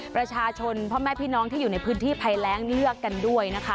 ประชาชนพ่อแม่พี่น้องที่อยู่ในพื้นที่ภัยแรงเลือกกันด้วยนะคะ